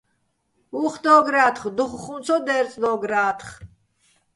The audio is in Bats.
უ̂ხ დო́გრათხ, დუხ ხუმ ცო დერწდო́გრა́თხ,